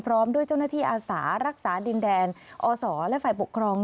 พร้อมด้วยเจ้าหน้าที่อาสารักษาดินแดนอศและฝ่ายปกครอง